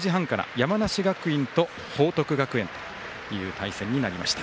山梨学院と報徳学園という対戦になりました。